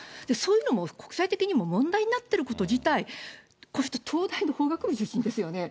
そういうのも国際的に問題になってること自体、この人、東大法学部出身ですよね。